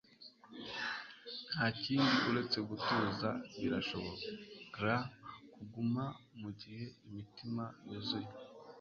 Ntakindi uretse gutuza birashobora kuguma mugihe imitima yuzuye